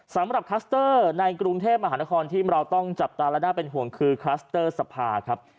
คลัสเตอร์ในกรุงเทพมหานครที่เราต้องจับตาและน่าเป็นห่วงคือคลัสเตอร์สภาครับ